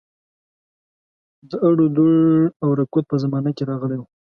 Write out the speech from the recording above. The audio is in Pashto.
د اړودوړ او رکود په زمانه کې راغلی وو.